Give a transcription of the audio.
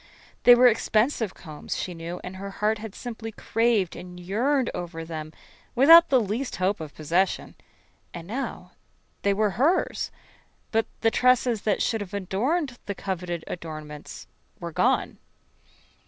They were expensive combs, she knew, and her heart had simply craved and yearned over them without the least hope of possession. And now, they were hers, but the tresses that should have adorned the coveted adornments were gone.